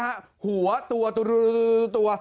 หัวตัวตัวตัวตัวตัวตัวตัว